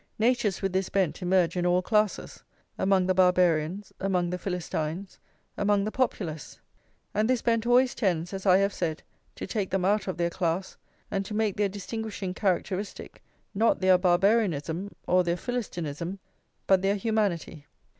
Natures with this bent emerge in all classes, among the Barbarians, among the Philistines, among the Populace. And this bent always tends, as I have said, to take them out of their class, and to make their distinguishing characteristic not their Barbarianism or their Philistinism, but their humanity.